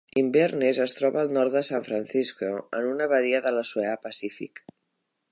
Inverness es troba al nord de San Francisco, en una badia de l"oceà Pacífic.